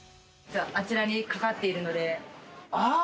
あちらにかかっているので。